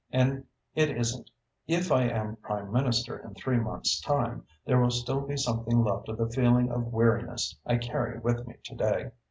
And it isn't. If I am Prime Minister in three months' time, there will still be something left of the feeling of weariness I carry with me to day."